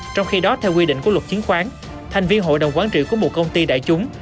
trong khi đó theo quy định của luật chứng khoán thành viên hội đồng quán trị của một công ty đại chúng